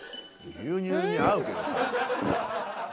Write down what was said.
牛乳に合うけどさ。